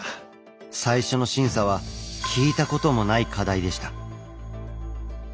最初の審査は聞いたこともない課題でした。